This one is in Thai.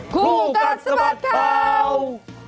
ครูกันสมัติข่าว